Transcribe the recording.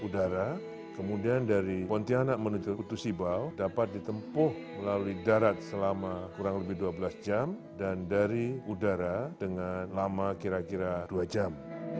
udara kemudian dari pontianak menuju utusibau dapat ditempuh melalui darat selama kurang lebih dua belas jam dan dari udara dengan lama kira kira dua jam